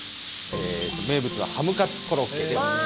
名物のハムカツコロッケです。